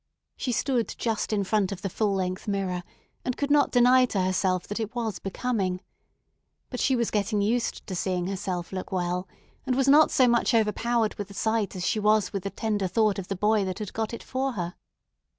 She stood just in front of the full length mirror, and could not deny to herself that it was becoming. But she was getting used to seeing herself look well, and was not so much overpowered with the sight as she was with the tender thought of the boy that had got it for her.